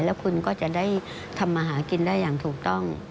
แล้วคุณก็จะได้ทำมาหากินได้อย่างถูกต้อง